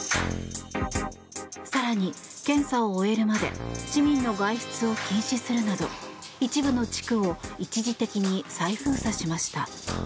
更に、検査を終えるまで市民の外出を禁止するなど一部の地区を一時的に再封鎖しました。